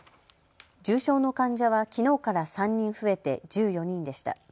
重症の患者はきのうから３人増えて１４人でした。